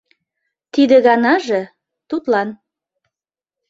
Тиде ганаже — тудлан...